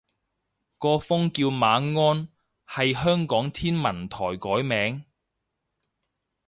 個風叫馬鞍，係香港天文台改名